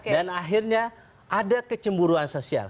dan akhirnya ada kecemburuan sosial